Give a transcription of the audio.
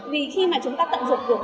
vì khi chúng ta tận dụng được